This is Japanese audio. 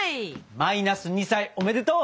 マイナス２歳おめでとう！